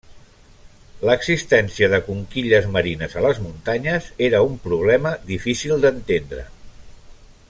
L'existència de conquilles marines a les muntanyes era un problema difícil d'entendre.